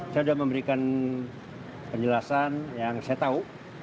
saya sudah memberikan penjelasan yang saya tahu